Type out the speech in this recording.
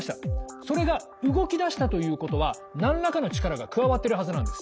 それが動きだしたということは何らかの力が加わってるはずなんです。